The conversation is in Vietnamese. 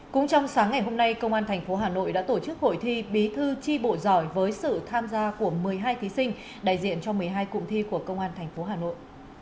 cũng trong sáng ngày hôm nay công an thành phố hà nội đã tổ chức hội thi bí thư chi bộ giỏi với sự tham gia của một mươi hai thí sinh đại diện cho một mươi hai cụm thi của công an thành phố hà nội